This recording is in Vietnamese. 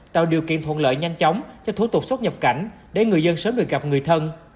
tạo điều kiện thuận lợi nhanh chóng cho thủ tục xuất nhập cảnh để người dân sớm được gặp người thân